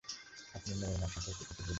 আপনি মেয়ের মা সম্পর্কে কিছু বলুন।